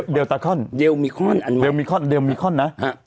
เดลมีคอนอันมีน